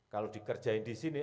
kalau dikerjain di sini